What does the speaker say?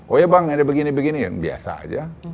oh iya bang ada begini begini biasa aja